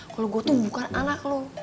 kalau gue tuh bukan anak loh